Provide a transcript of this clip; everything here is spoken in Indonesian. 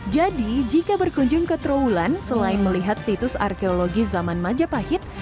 jadi jika berkunjung ke trawulan selain melihat situs arkeologi zaman majapahit